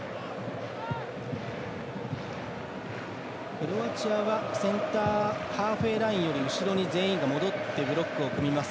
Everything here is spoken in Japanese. クロアチアはセンターハーフウェーラインより後ろに全員が戻ってブロックを組みます。